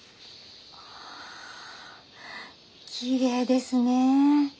あきれいですね。